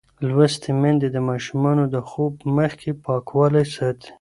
لوستې میندې د ماشومانو د خوب مخکې پاکوالی ساتي.